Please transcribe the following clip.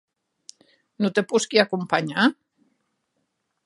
Non te posqui acompanhar?